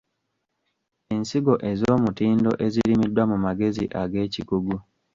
Ensigo ez’omutindo ezirimiddwa mu magezi ag’ekikugu.